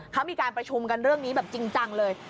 เขามีการประชุมกันเรื่องนี้แบบจริงจังเลย